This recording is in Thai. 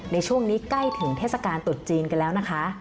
ในช่วงนี้ใกล้ถึงเทศกาลตรุษจีนกันแล้วนะคะ